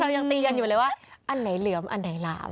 ยังตีกันอยู่เลยว่าอันไหนเหลือมอันไหนหลาม